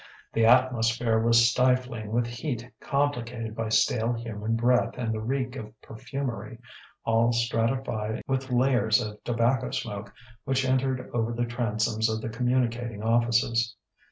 The atmosphere was stifling with heat complicated by stale human breath and the reek of perfumery, all stratified with layers of tobacco smoke which entered over the transoms of the communicating offices.